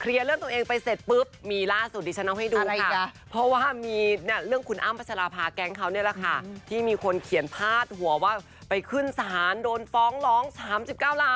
เรื่องตัวเองไปเสร็จปุ๊บมีล่าสุดดิฉันเอาให้ดูเพราะว่ามีเรื่องคุณอ้ำพัชราภาแก๊งเขานี่แหละค่ะที่มีคนเขียนพาดหัวว่าไปขึ้นศาลโดนฟ้องร้อง๓๙ล้าน